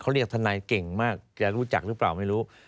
เขาเรียกทนายเก่งมากจะรู้จักหรือเปล่าไม่รู้